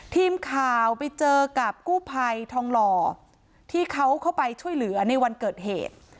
ทีมข่าวไปเจอกับกู้ภัยทองหล่อที่เขาเข้าไปช่วยเหลือในวันเกิดเหตุ